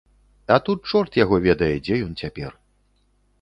А тут чорт яго ведае, дзе ён цяпер.